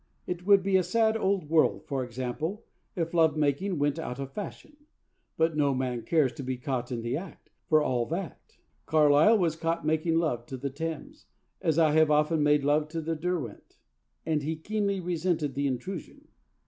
It would be a sad old world, for example, if love making went out of fashion; but no man cares to be caught in the act, for all that. Carlyle was caught making love to the Thames, as I have often made love to the Derwent, and he keenly resented the intrusion.